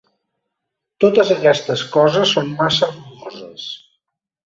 Totes aquestes coses són massa rugoses.